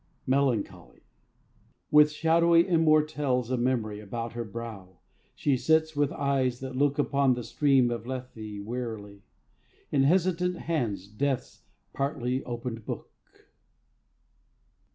MELANCHOLY. With shadowy immortelles of memory About her brow, she sits with eyes that look Upon the stream of Lethe wearily, In hesitant hands Death's partly opened book.